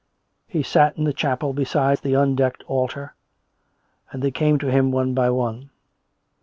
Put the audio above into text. He sat in the chapel beside the undecked altar, and they came to him one by one.